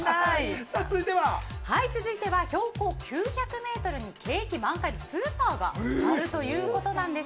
続いては標高９００メートルの景気満開スーパーがあるということです。